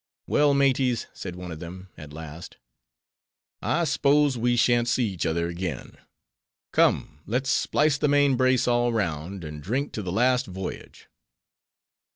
"Well, maties," said one of them, at last—"I spose we shan't see each other again:—come, let's splice the main brace all round, and drink to _the last voyage!"